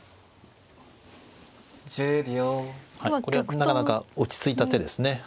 これはなかなか落ち着いた手ですね。